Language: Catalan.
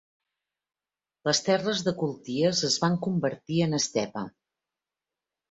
Les terres de culties es van convertir en estepa.